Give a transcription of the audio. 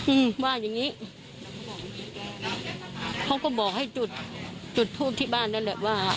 อืมว่าอย่างงี้เขาก็บอกให้จุดจุดทูปที่บ้านนั่นแหละว่า